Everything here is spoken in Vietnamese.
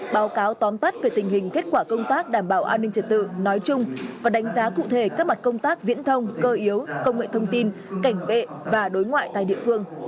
báo cáo tóm tắt về tình hình kết quả công tác đảm bảo an ninh trật tự nói chung và đánh giá cụ thể các mặt công tác viễn thông cơ yếu công nghệ thông tin cảnh bệ và đối ngoại tại địa phương